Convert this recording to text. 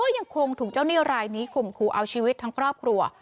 ยังคงถูกเจ้าหนี้รายนี้ข่มขู่เอาชีวิตทั้งครอบครัว